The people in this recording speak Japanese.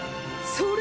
それ！